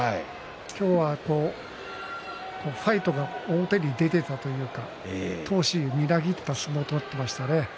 今日はファイトが表に出ていたというか闘志みなぎった相撲を取っていましたね。